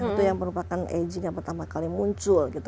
itu yang merupakan aging yang pertama kali muncul gitu